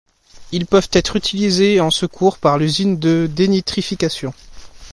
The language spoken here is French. Ils peuvent être utilisés en secours par l'usine de dénitrification.